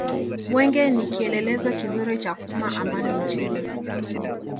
mwenge ni kielelezo kizuri cha kupima amani nchini